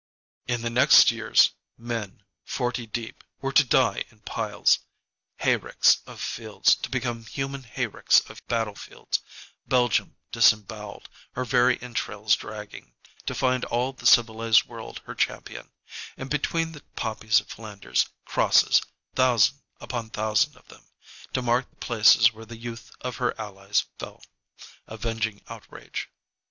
In the next years, men, forty deep, were to die in piles; hayricks of fields to become human hayricks of battle fields; Belgium disemboweled, her very entrails dragging, to find all the civilized world her champion, and between the poppies of Flanders, crosses, thousand upon thousand of them, to mark the places where the youth of her allies fell, avenging outrage.